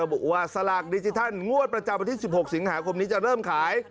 บอกว่าสลากดิจิทัลงวดประจำวันที่๑๖สิงหาคมนี้จะเริ่มขาย